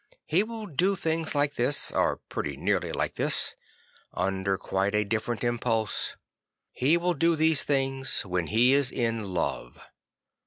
He will do things like this, or pretty nearly like this, under quite a different impulse. He will do these things when he is in love.